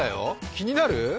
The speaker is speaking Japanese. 気になる？